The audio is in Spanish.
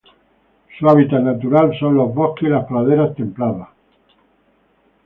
Su hábitat natural son: bosques y praderas templados.